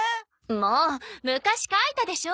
もう昔書いたでしょ！